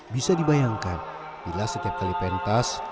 bisa dibayangkan bila setiap kali pentas